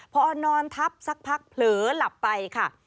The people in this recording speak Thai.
พอนอนทับสักพักเผลอหลับไปค่ะ